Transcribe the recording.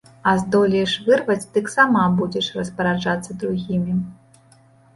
А здолееш вырваць, дык сама будзеш распараджацца другімі.